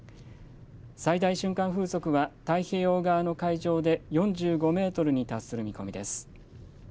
最大瞬間風速は太平洋側の海上で４５メートルに達する見込みです。